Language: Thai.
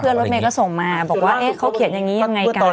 ใช่เพื่อนรถเมล็ดก็ส่งมาบอกว่าเขาเขียนอย่างนี้ยังไงกับ